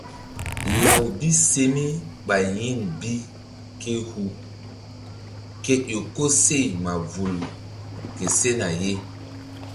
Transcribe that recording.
Law bi se mi ɓay yin bi ké hu ke ƴo koseh ma vul ke sena ye.